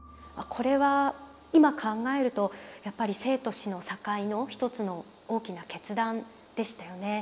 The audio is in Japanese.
これは今考えるとやっぱり生と死の境の一つの大きな決断でしたよね。